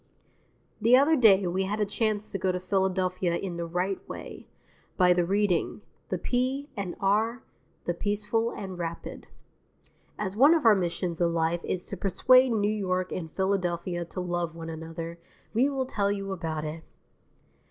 II The other day we had a chance to go to Philadelphia in the right way by the Reading, the P. and R., the Peaceful and Rapid. As one of our missions in life is to persuade New York and Philadelphia to love one another, we will tell you about it.